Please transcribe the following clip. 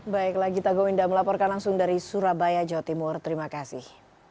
baiklah gita gowinda melaporkan langsung dari surabaya jawa timur terima kasih